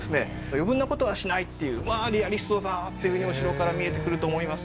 余分なことはしないっていうまあリアリストだなっていうふうにお城から見えてくると思います。